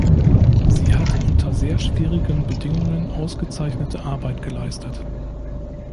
Sie hat unter sehr schwierigen Bedingungen ausgezeichnete Arbeit geleistet.